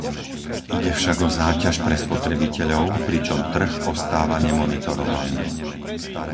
Ide však o záťaž pre spotrebiteľov, pričom trh ostáva nemonitorovaný.